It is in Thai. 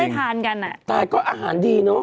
แต่ก็อาหารดีเนาะ